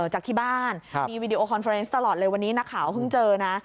จากที่บ้านมีวีดีโอคอนเฟอร์เนสตลอดเลยวันนี้นักข่าวเพิ่งเจอนะ